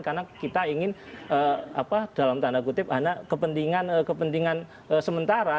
karena kita ingin dalam tanda kutip kepentingan sementara